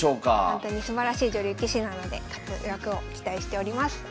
ほんとにすばらしい女流棋士なので活躍を期待しております。